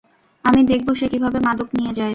আমি দেখব সে কীভাবে মাদক নিয়ে যায়।